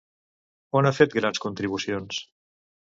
On ha fet grans contribucions?